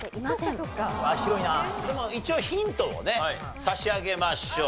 でも一応ヒントをね差し上げましょう。